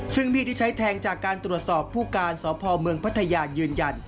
ซึ่งมีดที่ใช้แทงจากการตรวจสอบผู้การสพเมืองพัทยายืนยัน